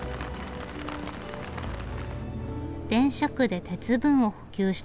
電車区で鉄分を補給した六角さん。